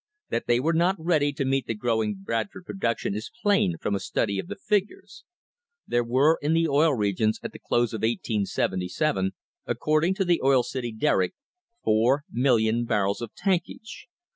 That they were not ready to meet the growing Bradford production is plain from a study of the figures. There were in the Oil Regions at the close of 1877, according to the Oil City Derrick, 4,000,000 barrels of tankage.